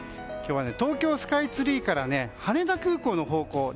今日は東京スカイツリーから羽田空港の方向。